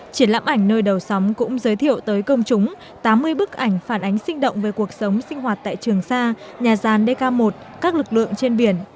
triển lãm ảnh nơi đầu sóng cũng giới thiệu tới công chúng tám mươi bức ảnh phản ánh sinh động về cuộc sống sinh hoạt tại trường sa nhà gian dk một các lực lượng trên biển